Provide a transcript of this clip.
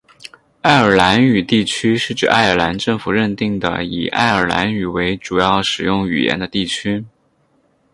爱尔兰语地区是指爱尔兰政府认定的以爱尔兰语为主要使用语言的地区。